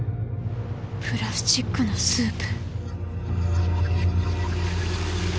プラスチックのスープ。